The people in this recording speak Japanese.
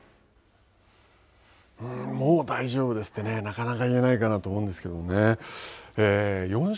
もう大丈夫ですってなかなか言えないかなと思うんですけどね。